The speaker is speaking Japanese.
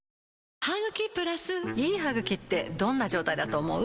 いい歯ぐきってどんな状態だと思う？